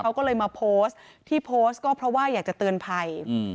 เขาก็เลยมาโพสต์ที่โพสต์ก็เพราะว่าอยากจะเตือนภัย